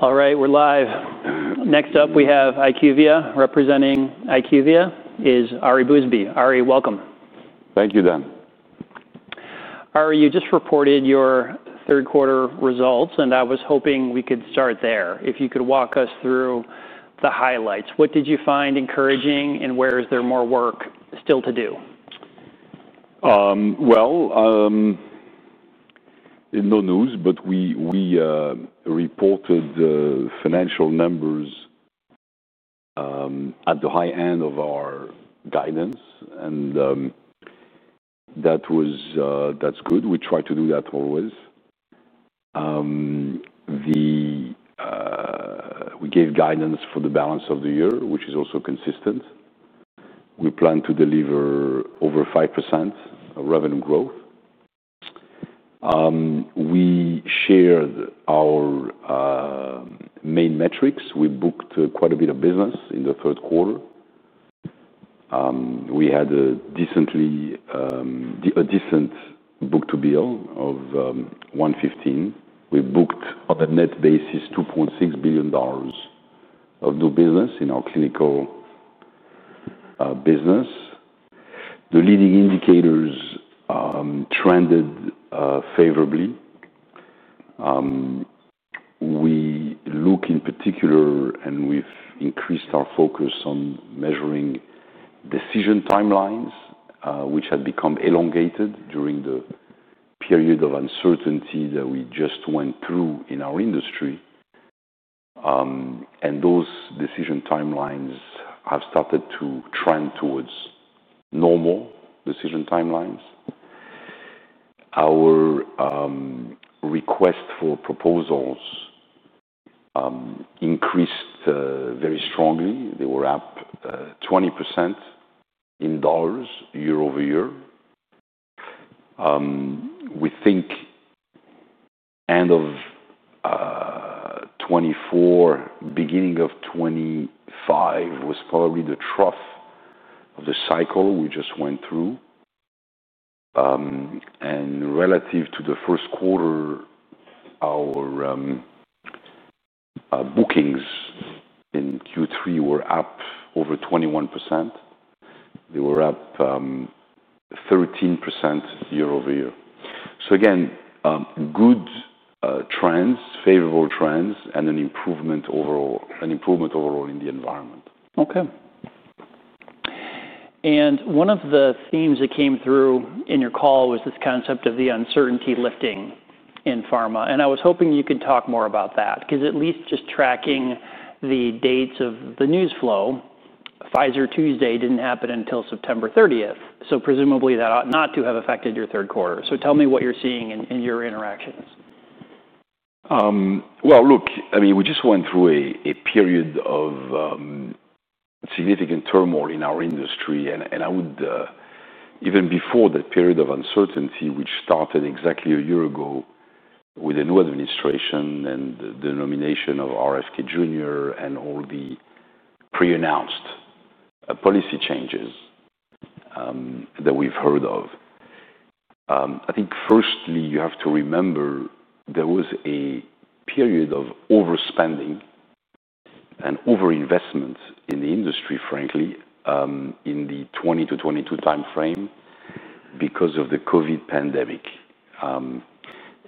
All right, we're live. Next up, we have IQVIA. Representing IQVIA is Ari Bousbib. Ari, welcome. Thank you, Dan. Ari, you just reported your third-quarter results, and I was hoping we could start there. If you could walk us through the highlights. What did you find encouraging, and where is there more work still to do? No news, but we reported the financial numbers at the high end of our guidance, and that's good. We try to do that always. We gave guidance for the balance of the year, which is also consistent. We plan to deliver over 5% revenue growth. We shared our main metrics. We booked quite a bit of business in the third quarter. We had a decent book- to-bill of 1.15. We booked, on a net basis, $2.6 billion of new business in our clinical business. The leading indicators trended favorably. We look in particular, and we've increased our focus on measuring decision timelines, which had become elongated during the period of uncertainty that we just went through in our industry. Those decision timelines have started to trend towards normal decision timelines. Our request for proposals increased very strongly. They were up 20% in dollars year-over-year. We think end of 2024, beginning of 2025, was probably the trough of the cycle we just went through. Relative to the first quarter, our bookings in Q3 were up over 21%. They were up 13% year over year. Good trends, favorable trends, and an improvement overall in the environment. Okay. One of the themes that came through in your call was this concept of the uncertainty lifting in pharma. I was hoping you could talk more about that because at least just tracking the dates of the news flow, Pfizer Tuesday did not happen until September 30. Presumably, that ought not to have affected your third quarter. Tell me what you are seeing in your interactions. I mean, we just went through a period of significant turmoil in our industry. I would, even before the period of uncertainty, which started exactly a year ago with the new administration and the nomination of RFK Jr. and all the pre-announced policy changes that we've heard of. I think firstly, you have to remember there was a period of overspending and overinvestment in the industry, frankly, in the 2020 to 2022 timeframe because of the COVID pandemic.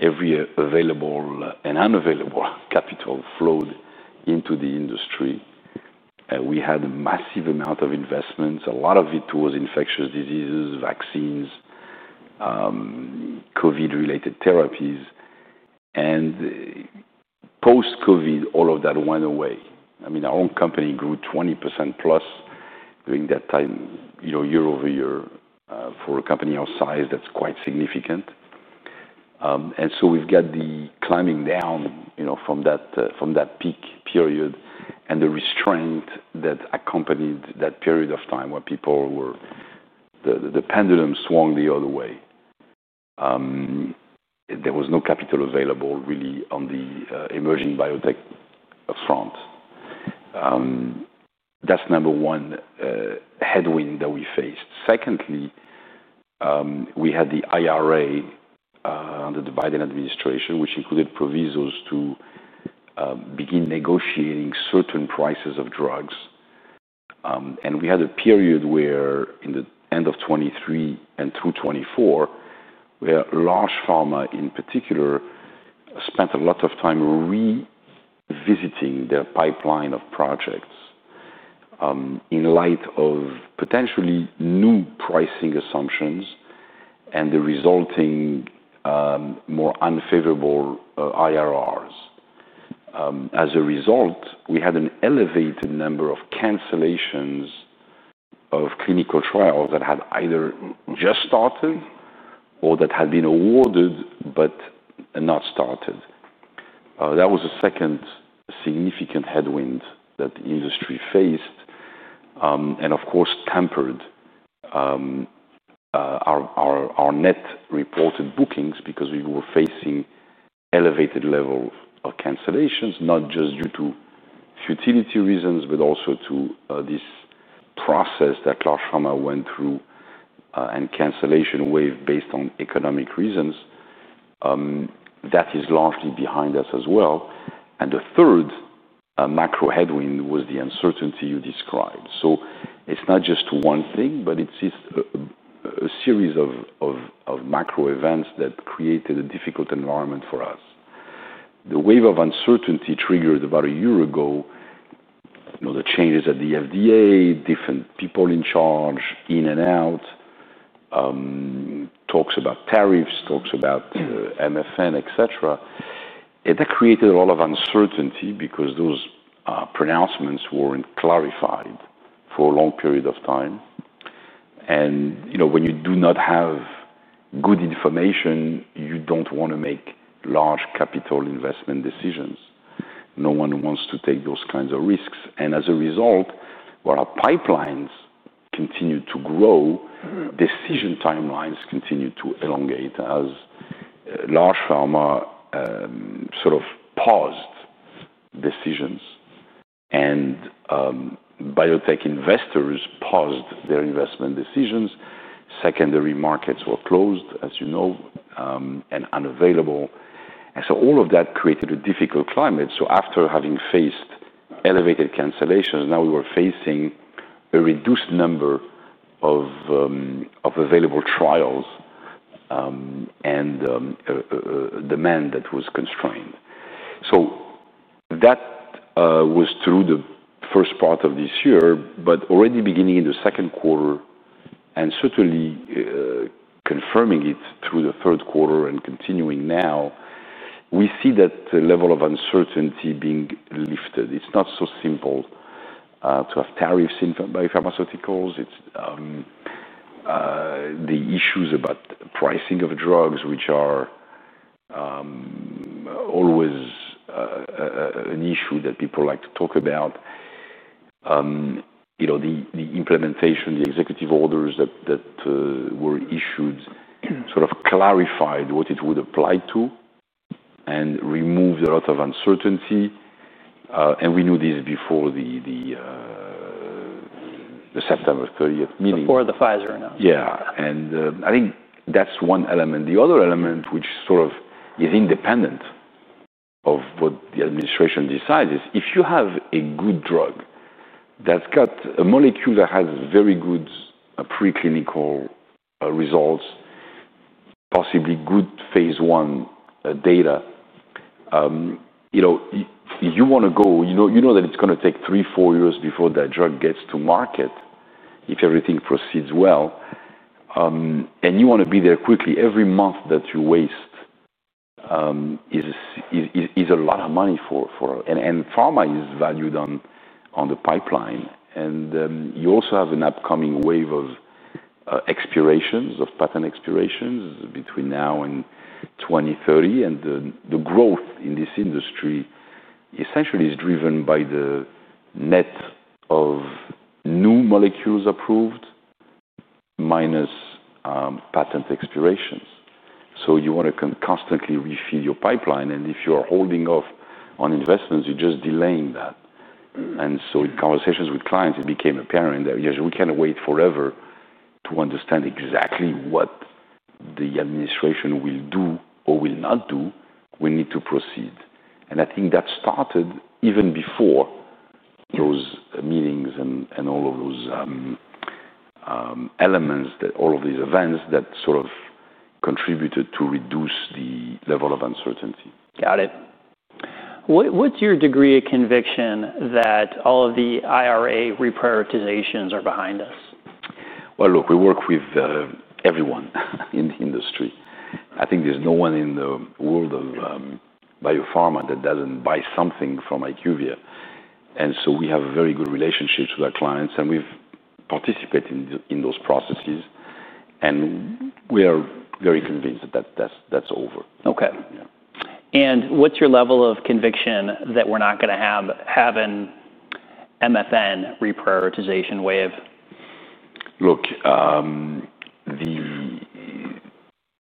Every available and unavailable capital flowed into the industry. We had a massive amount of investments, a lot of it towards infectious diseases, vaccines, COVID-related therapies, and post-COVID, all of that went away. I mean, our own company grew 20% plus during that time year over year for a company our size. That's quite significant. We have got the climbing down from that peak period and the restraint that accompanied that period of time where people were, the pendulum swung the other way. There was no capital available really on the emerging biotech front. That is the number one headwind that we faced. Secondly, we had the IRA under the Biden administration, which included provisos to begin negotiating certain prices of drugs. We had a period where, in the end of 2023 and through 2024, large pharma in particular spent a lot of time revisiting their pipeline of projects in light of potentially new pricing assumptions and the resulting more unfavorable IRRs. As a result, we had an elevated number of cancellations of clinical trials that had either just started or that had been awarded but not started. That was the second significant headwind that the industry faced and, of course, tempered our net reported bookings because we were facing elevated levels of cancellations, not just due to futility reasons, but also to this process that large pharma went through and cancellation wave based on economic reasons. That is largely behind us as well. The third macro headwind was the uncertainty you described. It is not just one thing, but it is a series of macro events that created a difficult environment for us. The wave of uncertainty triggered about a year ago the changes at the FDA, different people in charge, in and out, talks about tariffs, talks about MFN, etc. That created a lot of uncertainty because those pronouncements were not clarified for a long period of time. When you do not have good information, you do not want to make large capital investment decisions. No one wants to take those kinds of risks. As a result, while our pipelines continue to grow, decision timelines continue to elongate as large pharma sort of paused decisions and biotech investors paused their investment decisions. Secondary markets were closed, as you know, and unavailable. All of that created a difficult climate. After having faced elevated cancellations, now we were facing a reduced number of available trials and demand that was constrained. That was through the first part of this year, but already beginning in the second quarter, and certainly confirming it through the third quarter and continuing now, we see that the level of uncertainty being lifted. It's not so simple to have tariffs by pharmaceuticals. It's the issues about pricing of drugs, which are always an issue that people like to talk about. The implementation, the executive orders that were issued sort of clarified what it would apply to and removed a lot of uncertainty. We knew this before the September 30th meeting. Before the Pfizer announcement. Yeah. I think that's one element. The other element, which sort of is independent of what the administration decides, is if you have a good drug that's got a molecule that has very good preclinical results, possibly good phase I data, you want to go, you know that it's going to take three or four years before that drug gets to market if everything proceeds well, and you want to be there quickly. Every month that you waste is a lot of money for, and pharma is valued on the pipeline. You also have an upcoming wave of expirations, of patent expirations between now and 2030. The growth in this industry essentially is driven by the net of new molecules approved minus patent expirations. You want to constantly refill your pipeline. If you are holding off on investments, you're just delaying that. In conversations with clients, it became apparent that, "Yes, we can't wait forever to understand exactly what the administration will do or will not do. We need to proceed." I think that started even before those meetings and all of those elements, all of these events that sort of contributed to reduce the level of uncertainty. Got it. What's your degree of conviction that all of the IRA reprioritizations are behind us? Look, we work with everyone in the industry. I think there's no one in the world of biopharma that doesn't buy something from IQVIA. We have very good relationships with our clients, and we've participated in those processes. We are very convinced that that's over. Okay. What's your level of conviction that we're not going to have an MFN reprioritization wave? Look,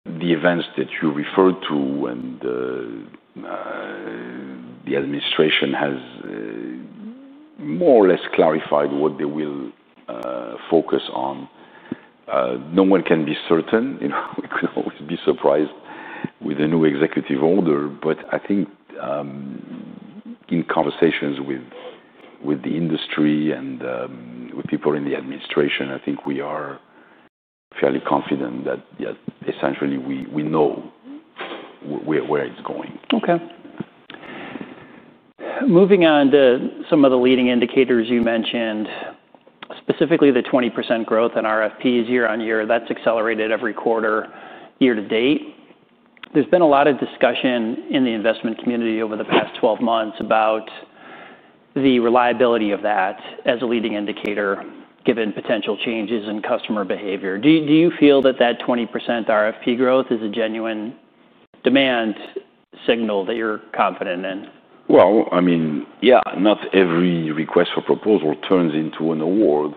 the events that you referred to and the administration has more or less clarified what they will focus on. No one can be certain. We could always be surprised with a new executive order. I think in conversations with the industry and with people in the administration, I think we are fairly confident that, yes, essentially we know where it's going. Okay. Moving on to some of the leading indicators you mentioned, specifically the 20% growth in RFPs year on year. That has accelerated every quarter year to date. There has been a lot of discussion in the investment community over the past 12 months about the reliability of that as a leading indicator given potential changes in customer behavior. Do you feel that that 20% RFP growth is a genuine demand signal that you are confident in? I mean, yeah, not every request for proposal turns into an award.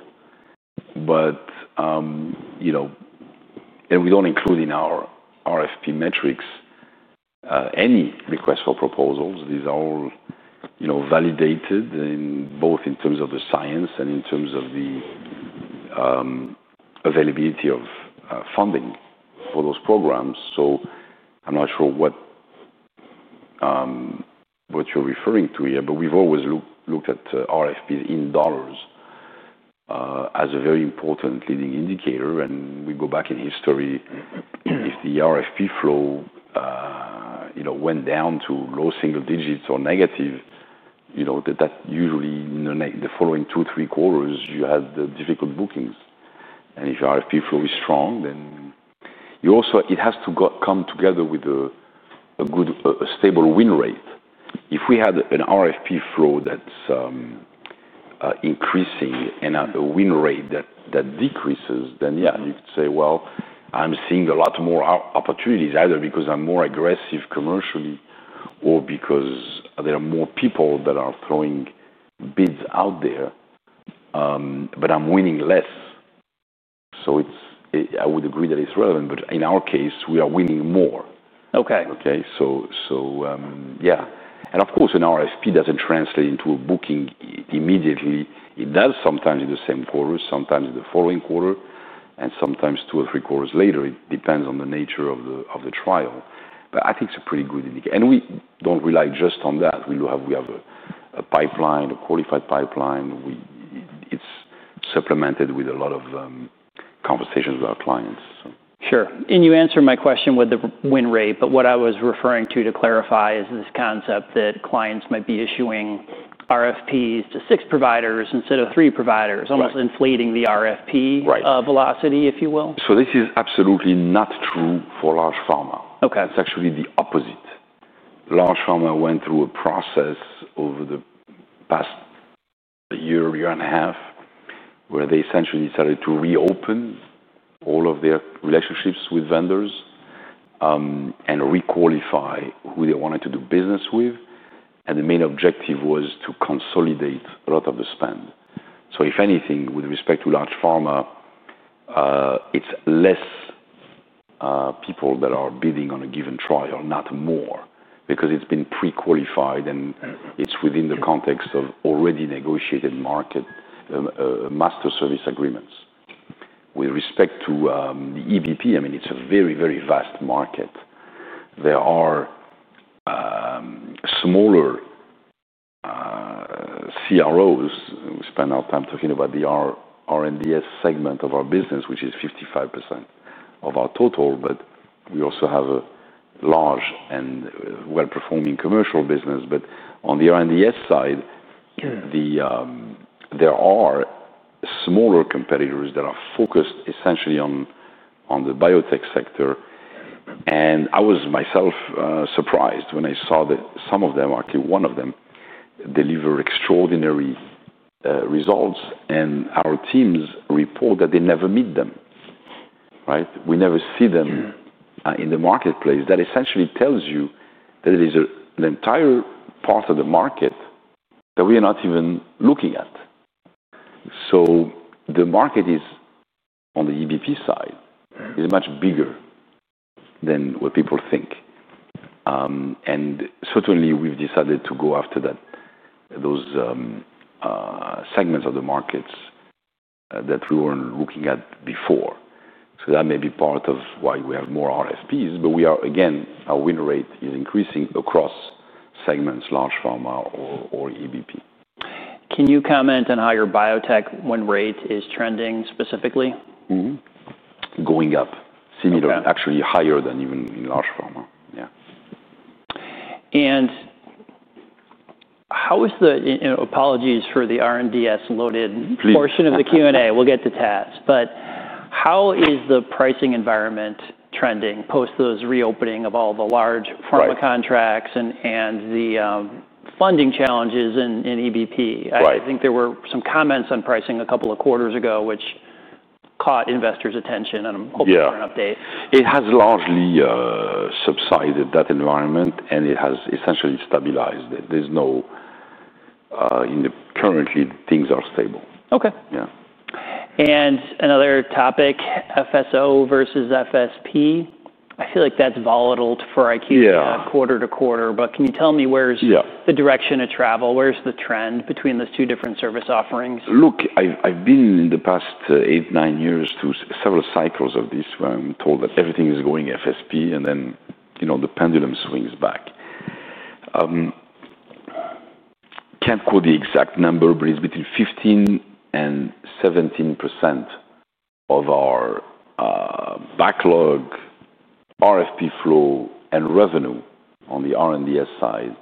We do not include in our RFP metrics any requests for proposals. These are all validated both in terms of the science and in terms of the availability of funding for those programs. I am not sure what you are referring to here, but we have always looked at RFPs in dollars as a very important leading indicator. If we go back in history, if the RFP flow went down to low single digits or negative, that usually in the following two or three quarters, you had difficult bookings. If your RFP flow is strong, then it has to come together with a good, stable win rate. If we had an RFP flow that's increasing and a win rate that decreases, then yeah, you could say, "Well, I'm seeing a lot more opportunities either because I'm more aggressive commercially or because there are more people that are throwing bids out there, but I'm winning less." I would agree that it's relevant. In our case, we are winning more. Okay? Yeah. Of course, an RFP doesn't translate into a booking immediately. It does sometimes in the same quarter, sometimes in the following quarter, and sometimes two or three quarters later. It depends on the nature of the trial. I think it's a pretty good indicator. We don't rely just on that. We have a pipeline, a qualified pipeline. It's supplemented with a lot of conversations with our clients, so. Sure. You answered my question with the win rate, but what I was referring to to clarify is this concept that clients might be issuing RFPs to six providers instead of three providers, almost inflating the RFP velocity, if you will. This is absolutely not true for large pharma. It's actually the opposite. Large pharma went through a process over the past year, year and a half, where they essentially started to reopen all of their relationships with vendors and requalify who they wanted to do business with. The main objective was to consolidate a lot of the spend. If anything, with respect to large pharma, it's fewer people that are bidding on a given trial, not more, because it's been prequalified and it's within the context of already negotiated master service agreements. With respect to the EBP, I mean, it's a very, very vast market. There are smaller CROs. We spend our time talking about the R&DS segment of our business, which is 55% of our total, but we also have a large and well-performing commercial business. On the R&DS side, there are smaller competitors that are focused essentially on the biotech sector. I was myself surprised when I saw that some of them, actually one of them, deliver extraordinary results, and our teams report that they never meet them, right? We never see them in the marketplace. That essentially tells you that it is an entire part of the market that we are not even looking at. The market on the EBP side is much bigger than what people think. Certainly, we have decided to go after those segments of the markets that we were not looking at before. That may be part of why we have more RFPs. We are, again, our win rate is increasing across segments, large pharma or EBP. Can you comment on how your biotech win rate is trending specifically? Going up, similar, actually higher than even in large pharma. Yeah. Apologies for the R&DS loaded portion of the Q&A. We will get to TAS. How is the pricing environment trending post those reopening of all the large pharma contracts and the funding challenges in EBP? I think there were some comments on pricing a couple of quarters ago, which caught investors' attention, and I am hoping for an update. Yeah. It has largely subsided, that environment, and it has essentially stabilized. There's no, currently, things are stable. Okay. Another topic, FSO versus FSP. I feel like that's volatile for IQVIA quarter to quarter. Can you tell me where's the direction of travel? Where's the trend between those two different service offerings? Look, I've been in the past eight, nine years through several cycles of this where I'm told that everything is going FSP, and then the pendulum swings back. Can't quote the exact number, but it's between 15-17% of our backlog RFP flow and revenue on the R&DS side,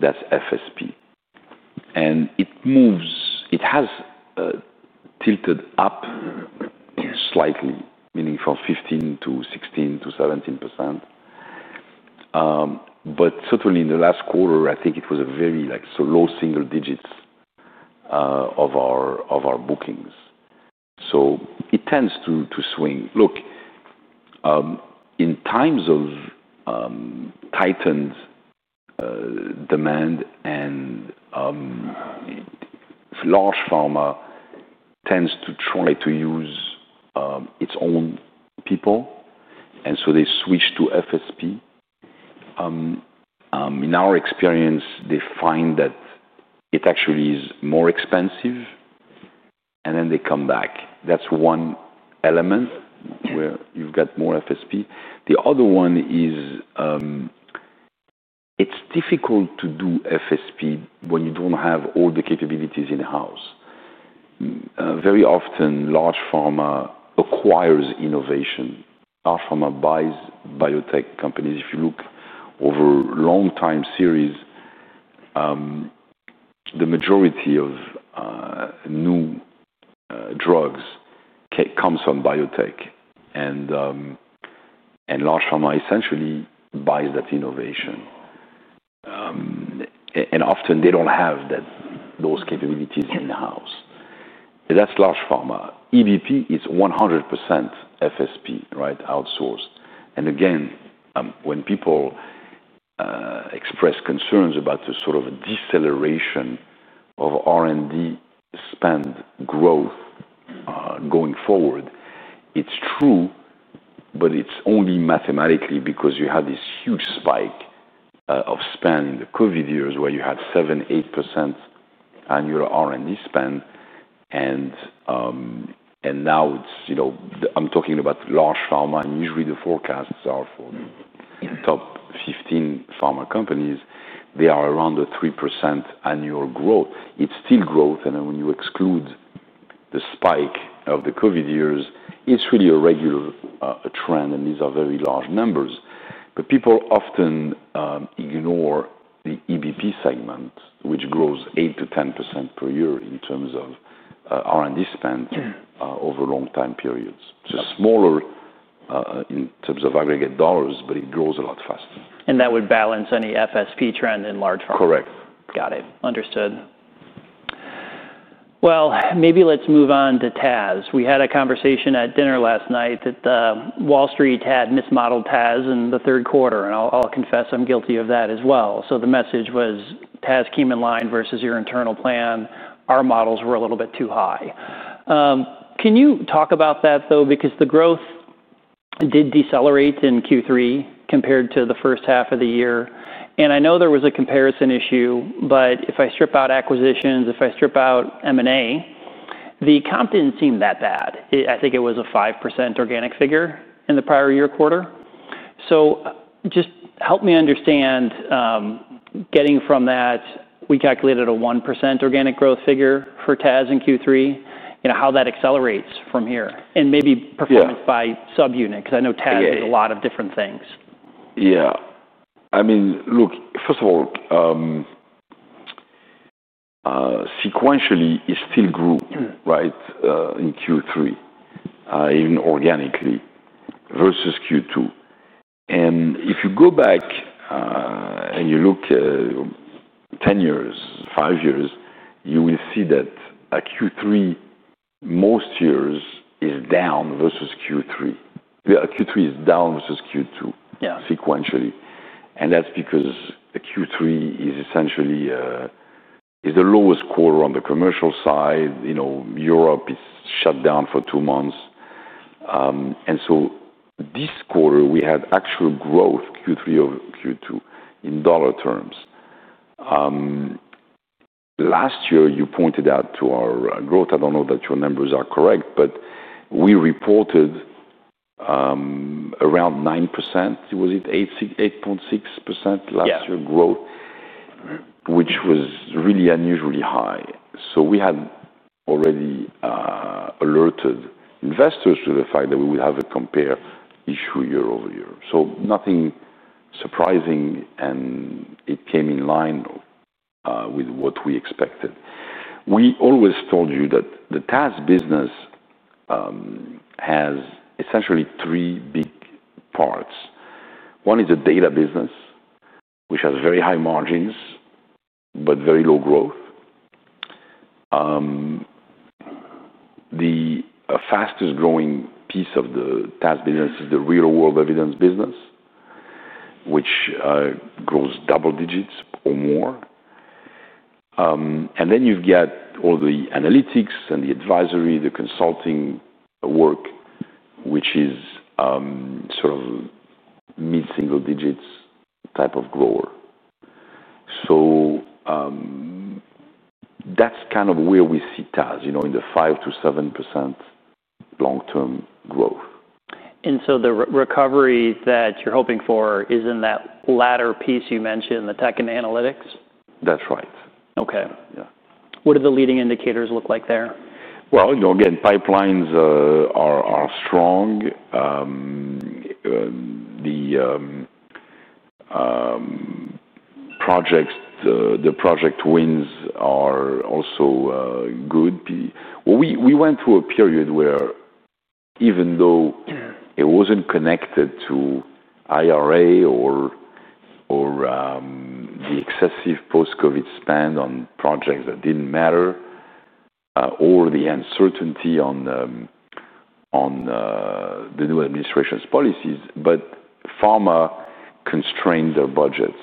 that's FSP. And it has tilted up slightly, meaning from 15% to 16% to 17%. But certainly, in the last quarter, I think it was a very low single digits of our bookings. It tends to swing. Look, in times of tightened demand, large pharma tends to try to use its own people, and so they switch to FSP. In our experience, they find that it actually is more expensive, and then they come back. That's one element where you've got more FSP. The other one is it's difficult to do FSP when you don't have all the capabilities in-house. Very often, large pharma acquires innovation. Large pharma buys biotech companies. If you look over a long-time series, the majority of new drugs comes from biotech, and large pharma essentially buys that innovation. Often, they don't have those capabilities in-house. That's large pharma. EBP is 100% FSP, right, outsourced. Again, when people express concerns about the sort of deceleration of R&D spend growth going forward, it's true, but it's only mathematically because you have this huge spike of spend in the COVID years where you had 7-8% annual R&D spend. Now I'm talking about large pharma, and usually the forecasts are for the top 15 pharma companies, they are around a 3% annual growth. It's still growth. When you exclude the spike of the COVID years, it's really a regular trend, and these are very large numbers. People often ignore the EBP segment, which grows 8-10% per year in terms of R&D spend over long-time periods. It's smaller in terms of aggregate dollars, but it grows a lot faster. That would balance any FSP trend in large pharma. Correct. Got it. Understood. Maybe let's move on to TAS. We had a conversation at dinner last night that Wall Street had mismodeled TAS in the third quarter. I'll confess I'm guilty of that as well. The message was, "TAS came in line versus your internal plan. Our models were a little bit too high." Can you talk about that, though, because the growth did decelerate in Q3 compared to the first half of the year? I know there was a comparison issue, but if I strip out acquisitions, if I strip out M&A, the comp did not seem that bad. I think it was a 5% organic figure in the prior year quarter. Just help me understand, getting from that, we calculated a 1% organic growth figure for TAS in Q3, how that accelerates from here, and maybe performance by subunit because I know TAS is a lot of different things. Yeah. I mean, look, first of all, sequentially, it still grew, right, in Q3, even organically versus Q2. If you go back and you look 10 years, 5 years, you will see that Q3, most years, is down versus Q2. Q3 is down versus Q2 sequentially. That is because Q3 is essentially the lowest quarter on the commercial side. Europe is shut down for two months. This quarter, we had actual growth Q3 over Q2 in dollar terms. Last year, you pointed out to our growth, I do not know that your numbers are correct, but we reported around 9%, was it 8.6% last year growth, which was really unusually high. We had already alerted investors to the fact that we would have a compare issue year over year. Nothing surprising, and it came in line with what we expected. We always told you that the TAS business has essentially three big parts. One is a data business, which has very high margins but very low growth. The fastest growing piece of the TAS business is the real-world evidence business, which grows double digits or more. You have all the analytics and the advisory, the consulting work, which is sort of mid-single digits type of grower. That is kind of where we see TAS in the 5-7% long-term growth. The recovery that you're hoping for is in that latter piece you mentioned, the tech and analytics? That's right. Okay. What do the leading indicators look like there? Again, pipelines are strong. The project wins are also good. We went through a period where even though it was not connected to IRA or the excessive post-COVID spend on projects that did not matter or the uncertainty on the new administration's policies, pharma constrained their budgets,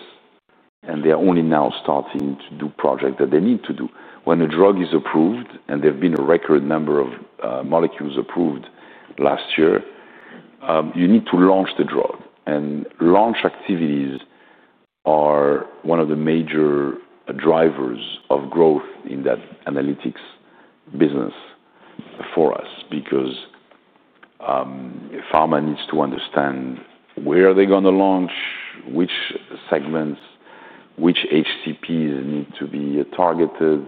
and they are only now starting to do projects that they need to do. When a drug is approved, and there have been a record number of molecules approved last year, you need to launch the drug. Launch activities are one of the major drivers of growth in that analytics business for us because pharma needs to understand where they are going to launch, which segments, which HCPs need to be targeted,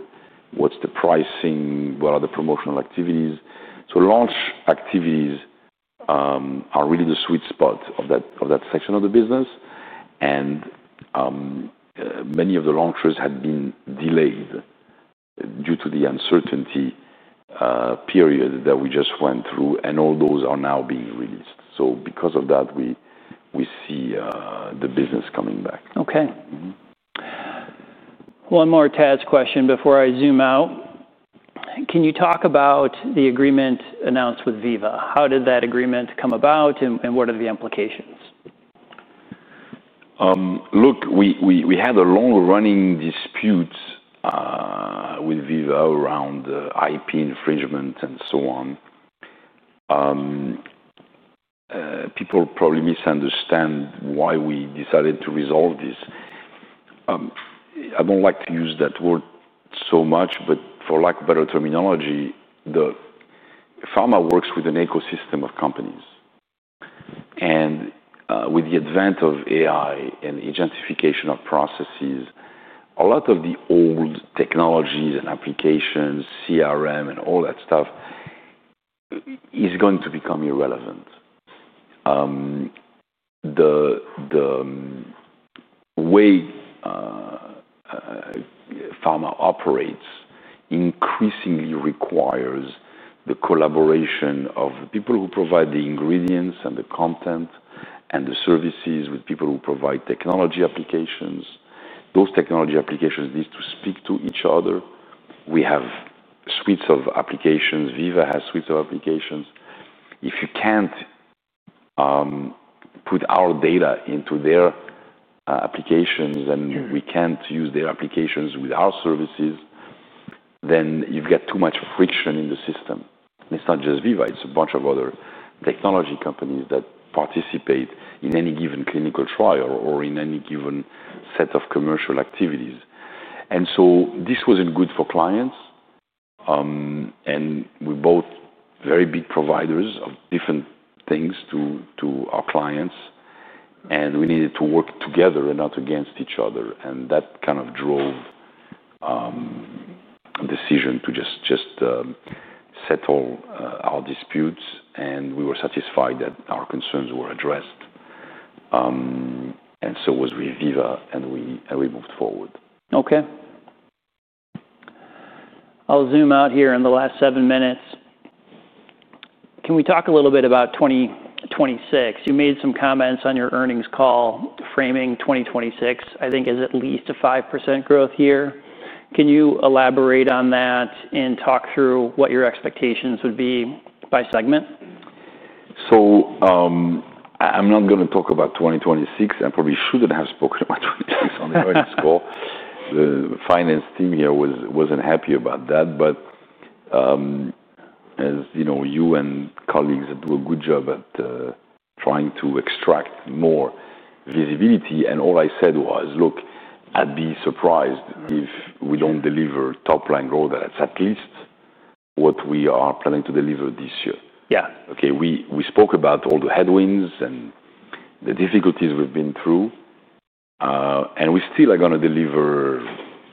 what is the pricing, what are the promotional activities. Launch activities are really the sweet spot of that section of the business. Many of the launchers had been delayed due to the uncertainty period that we just went through, and all those are now being released. Because of that, we see the business coming back. Okay. One more TAS question before I zoom out. Can you talk about the agreement announced with Veeva? How did that agreement come about, and what are the implications? Look, we had a long-running dispute with Veeva around IP infringement and so on. People probably misunderstand why we decided to resolve this. I do not like to use that word so much, but for lack of better terminology, pharma works with an ecosystem of companies. With the advent of AI and the gentrification of processes, a lot of the old technologies and applications, CRM and all that stuff, is going to become irrelevant. The way pharma operates increasingly requires the collaboration of the people who provide the ingredients and the content and the services with people who provide technology applications. Those technology applications need to speak to each other. We have suites of applications. Veeva has suites of applications. If you cannot put our data into their applications and we cannot use their applications with our services, then you have got too much friction in the system. It's not just Veeva. It's a bunch of other technology companies that participate in any given clinical trial or in any given set of commercial activities. This was not good for clients. We are both very big providers of different things to our clients, and we needed to work together and not against each other. That kind of drove a decision to just settle our disputes. We were satisfied that our concerns were addressed, and so was Veeva, and we moved forward. Okay. I'll zoom out here in the last seven minutes. Can we talk a little bit about 2026? You made some comments on your earnings call framing 2026, I think, as at least a 5% growth year. Can you elaborate on that and talk through what your expectations would be by segment? I'm not going to talk about 2026. I probably shouldn't have spoken about 2026 on the earnings call. The finance team here wasn't happy about that. As you and colleagues do a good job at trying to extract more visibility. All I said was, "Look, I'd be surprised if we don't deliver top-line growth. That's at least what we are planning to deliver this year." We spoke about all the headwinds and the difficulties we've been through, and we still are going to deliver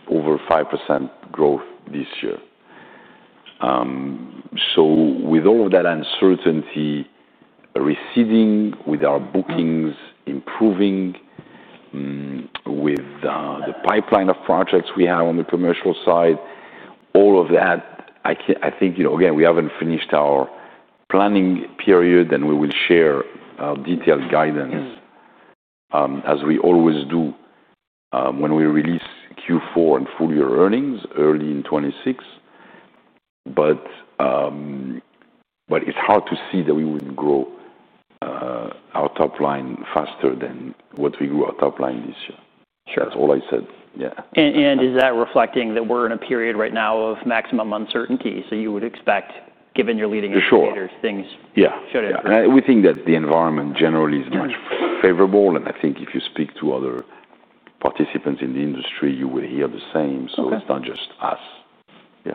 over 5% growth this year. With all of that uncertainty receding, with our bookings improving, with the pipeline of projects we have on the commercial side, all of that, I think, again, we haven't finished our planning period, and we will share our detailed guidance as we always do when we release Q4 and full year earnings early in 2026. It's hard to see that we would grow our top line faster than what we grew our top line this year. That's all I said. Yeah. Is that reflecting that we're in a period right now of maximum uncertainty? You would expect, given your leading indicators, things should improve. Yeah. We think that the environment generally is much more favorable. I think if you speak to other participants in the industry, you will hear the same. It is not just us. Yeah.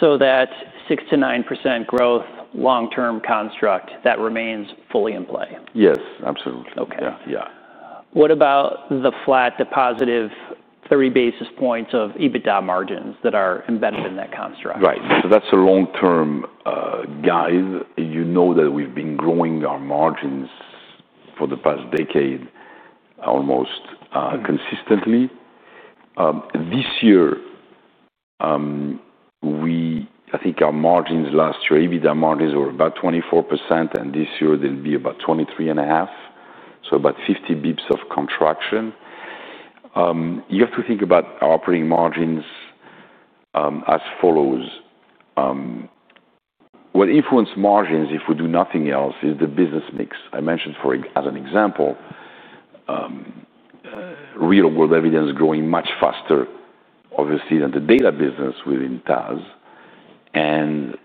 That 6-9% growth long-term construct, that remains fully in play? Yes. Absolutely. Yeah. What about the flat to positive 30 basis points of EBITDA margins that are embedded in that construct? Right. So that's a long-term guide. You know that we've been growing our margins for the past decade almost consistently. This year, I think our margins last year, EBITDA margins were about 24%, and this year they'll be about 23.5%, so about 50 bps of contraction. You have to think about our operating margins as follows. What influences margins, if we do nothing else, is the business mix. I mentioned as an example, real-world evidence growing much faster, obviously, than the data business within TAS. And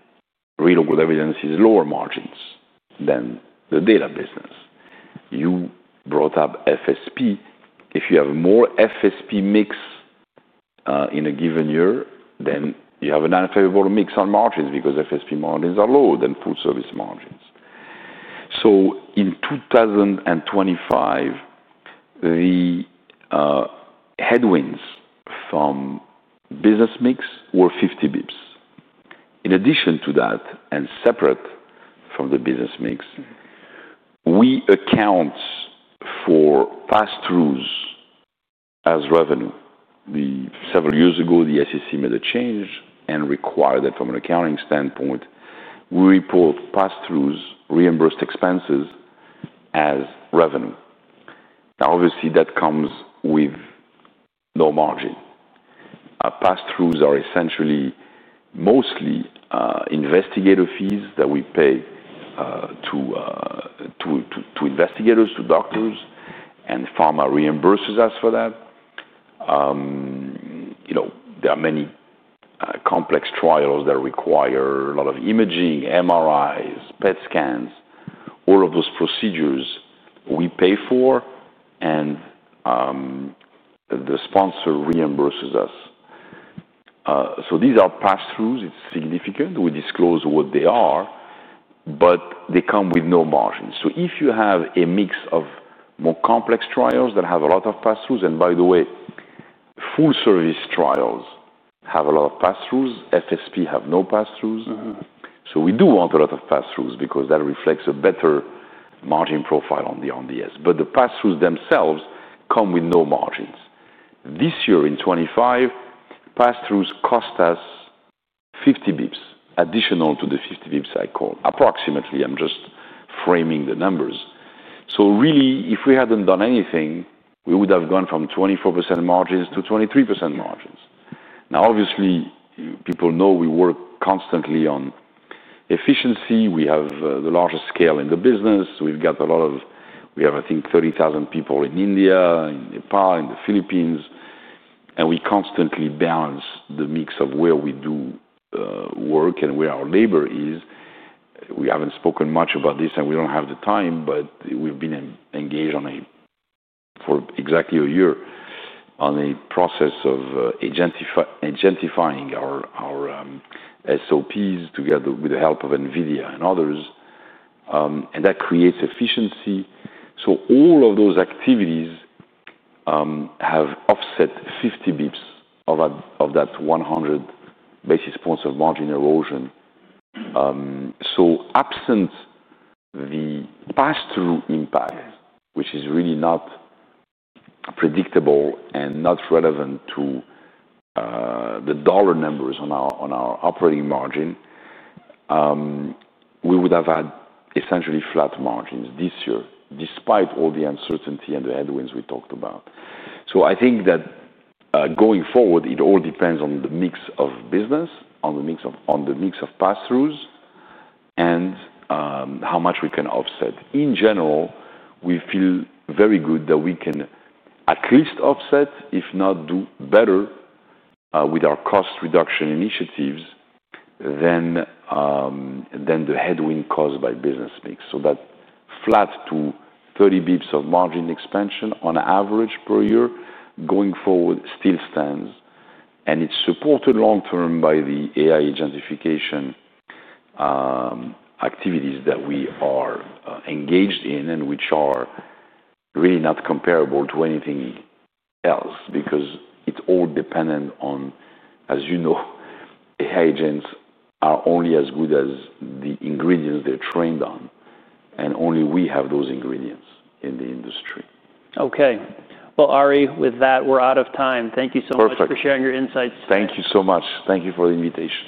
real-world evidence is lower margins than the data business. You brought up FSP. If you have more FSP mix in a given year, then you have a non-favorable mix on margins because FSP margins are lower than full-service margins. In 2025, the headwinds from business mix were 50 bps. In addition to that, and separate from the business mix, we account for pass-throughs as revenue. Several years ago, the SEC made a change and required that from an accounting standpoint, we report pass-throughs, reimbursed expenses as revenue. Now, obviously, that comes with no margin. Pass-throughs are essentially mostly investigator fees that we pay to investigators, to doctors, and pharma reimburses us for that. There are many complex trials that require a lot of imaging, MRIs, PET scans. All of those procedures we pay for, and the sponsor reimburses us. These are pass-throughs. It is significant. We disclose what they are, but they come with no margin. If you have a mix of more complex trials that have a lot of pass-throughs, and by the way, full-service trials have a lot of pass-throughs. FSP have no pass-throughs. We do want a lot of pass-throughs because that reflects a better margin profile on the R&DS. The pass-throughs themselves come with no margins. This year, in 2025, pass-throughs cost us 50 bps additional to the 50 bps I called, approximately. I am just framing the numbers. Really, if we had not done anything, we would have gone from 24% margins to 23% margins. Obviously, people know we work constantly on efficiency. We have the largest scale in the business. We have, I think, 30,000 people in India, in Nepal, in the Philippines. We constantly balance the mix of where we do work and where our labor is. We have not spoken much about this, and we do not have the time, but we have been engaged for exactly a year on a process of identifying our SOPs together with the help of NVIDIA and others. That creates efficiency. All of those activities have offset 50 bps of that 100 basis points of margin erosion. Absent the pass-through impact, which is really not predictable and not relevant to the dollar numbers on our operating margin, we would have had essentially flat margins this year, despite all the uncertainty and the headwinds we talked about. I think that going forward, it all depends on the mix of business, on the mix of pass-throughs, and how much we can offset. In general, we feel very good that we can at least offset, if not do better with our cost reduction initiatives than the headwind caused by business mix. That flat to 30 bps of margin expansion on average per year going forward still stands. It is supported long-term by the AI gentrification activities that we are engaged in and which are really not comparable to anything else because it is all dependent on, as you know, AI agents are only as good as the ingredients they are trained on. Only we have those ingredients in the industry. Okay. Ari, with that, we're out of time. Thank you so much for sharing your insights. Perfect. Thank you so much. Thank you for the invitation.